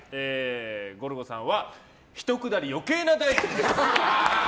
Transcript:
ゴルゴさんはひと下り余計な大臣です。